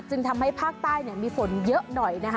ทำให้ภาคใต้มีฝนเยอะหน่อยนะคะ